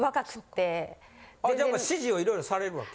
あじゃあ指示を色々されるわけ？